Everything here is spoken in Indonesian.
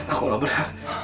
aku udah berhak